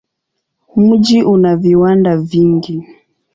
Mji una viwanda vingi.